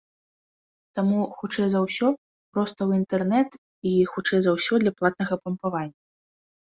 Таму, хутчэй за ўсё, проста ў інтэрнэт і, хутчэй за ўсё, для платнага пампавання.